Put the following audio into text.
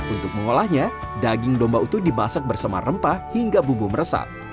untuk mengolahnya daging domba utuh dimasak bersama rempah hingga bumbu meresap